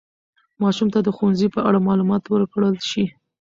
ماشوم ته د ښوونځي په اړه معلومات ورکړل شي.